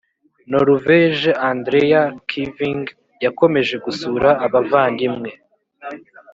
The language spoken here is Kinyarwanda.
noruveje andreas kvinge yakomeje gusura abavandimwe